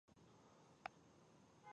د خپل زعامت ټاکلو قيمت ورکړو.